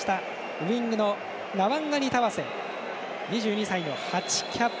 ウイングのナワンガニタワセ２２歳の８キャップ